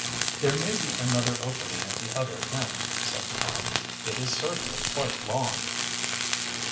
"There may be another opening at the other end," said Tom. "It is certainly quite long."